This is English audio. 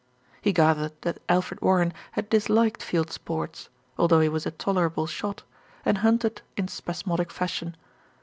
He gathered that Alfred Warren had disliked field sports, although he was a tolerable shot, and hunted in spasmodic fashion.